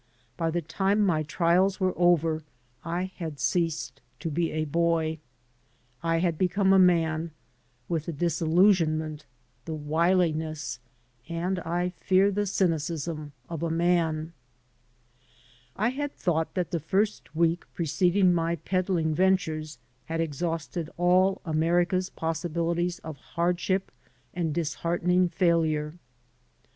By the time my trials were over I had ceased to be a boy. I had become a man, with the disillusionment, the wiliness, and, I fear, the cynicism of a man. I had thought that that first week preceding my peddling ventures had exhausted all America's possibili ties of hardship and disheartening failure.